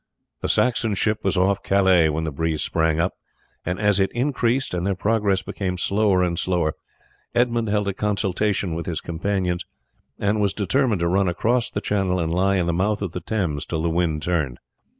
The Saxon ship was off Calais when the breeze sprang up, and as it increased and their progress became slower and slower Edmund held a consultation with his companions and it was determined to run across the channel and lie in the mouth of the Thames till the wind turned.